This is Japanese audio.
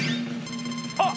あっ！